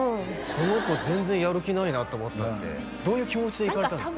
この子全然やる気ないなって思ったってどういう気持ちで行かれたんですか？